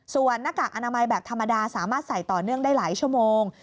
ส่วนหน้ากากอนามัยแบบธรรมดาสามารถใส่ต่อเนื่องได้หลายชั่วโมง